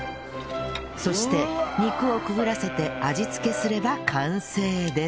そして肉をくぐらせて味付けすれば完成です